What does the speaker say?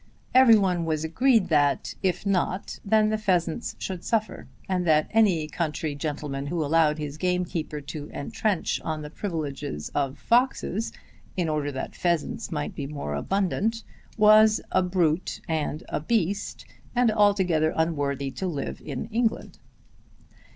Every one was agreed that, if not, then the pheasants should suffer, and that any country gentleman who allowed his gamekeeper to entrench on the privileges of foxes in order that pheasants might be more abundant, was a "brute" and a "beast," and altogether unworthy to live in England.